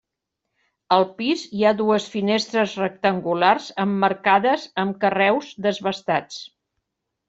Al pis hi ha dues finestres rectangulars emmarcades amb carreus desbastats.